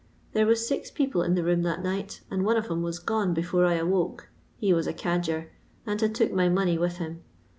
There was siz people in the room that night, and one of 'em was gone before I awoke— he was a cadger — and bad took my money with him.